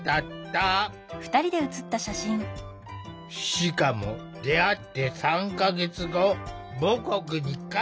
しかも出会って３か月後母国に帰ってしまった。